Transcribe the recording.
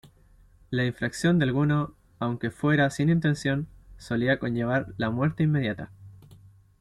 La infracción de alguno, aunque fuera sin intención, solía conllevar la muerte inmediata.